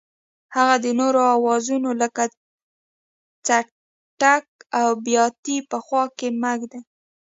هغه د نورو اوزارونو لکه څټک او بیاتي په خوا کې مه ږدئ.